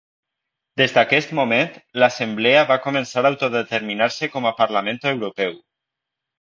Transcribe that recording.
Des d'aquest moment, l'Assemblea va començar a autodeterminar-se com a Parlament Europeu.